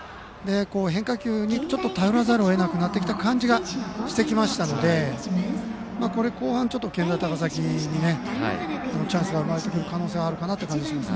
変化球に、ちょっと頼らざるをえなくなってきた感じがしてきましたのでこれ後半、健大高崎にチャンスが生まれてくる可能性あるかなと思います。